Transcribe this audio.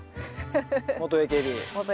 元ＡＫＢ